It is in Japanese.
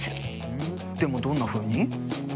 ふんでもどんなふうに？